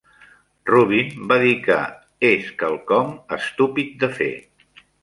Rubin va dir que "és quelcom estúpid de fer".